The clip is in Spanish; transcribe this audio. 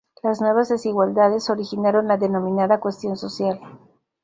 Las nuevas desigualdades originaron la denominada "cuestión social".